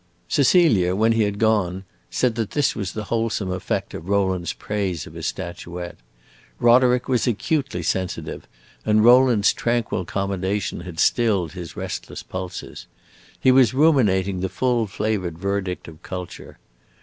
Cecilia, when he had gone, said that this was the wholesome effect of Rowland's praise of his statuette. Roderick was acutely sensitive, and Rowland's tranquil commendation had stilled his restless pulses. He was ruminating the full flavored verdict of culture.